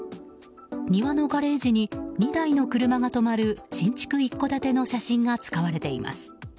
庭のガレージに２台の車が止まる新築一戸建ての写真が使われています。